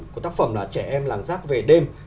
của tác phẩm là trẻ em làng giác về đêm